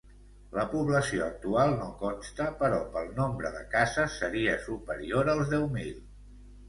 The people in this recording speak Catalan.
La població actual no consta però pel nombre de cases seria superior als deu mil.